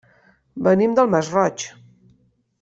Venim del Masroig.